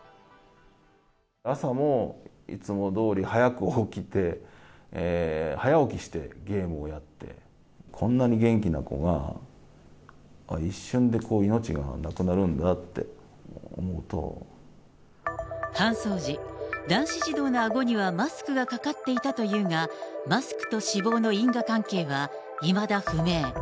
朝もいつもどおり早く起きて、早起きしてゲームをして、こんなに元気な子が、一瞬でこう、搬送時、男子児童のあごにはマスクがかかっていたというが、マスクと死亡の因果関係は、いまだ不明。